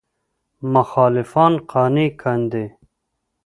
مخالفان قانع کاندي.